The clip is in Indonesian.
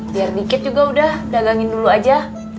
biar dikit juga udah dagangin dulu aja